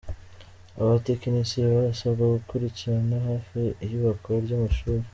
Abatekinisiye barasabwa gukurikiranira hafi iyubakwa ry’amashuri